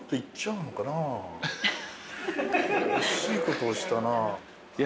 惜しいことをしたな。